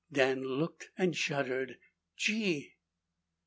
Dan looked and shuddered. "Gee!"